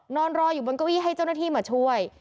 นอนรออยู่บนเก้าอี้ให้เจ้าหน้าที่มาช่วย